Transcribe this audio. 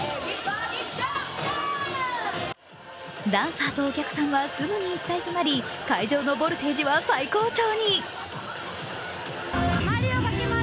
ダンサーとお客さんはすぐに一体となり会場のボルテージは最高潮に。